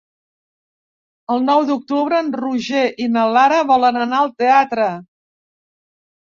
El nou d'octubre en Roger i na Lara volen anar al teatre.